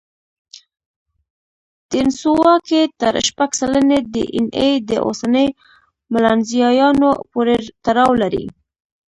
دینسووا کې تر شپږ سلنې ډياېناې د اوسني ملانزیایانو پورې تړاو لري.